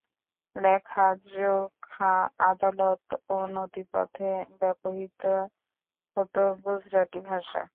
লেখা-জোখা, আদালত ও নথিপত্রে ব্যবহৃত হত গুজরাটি ভাষা।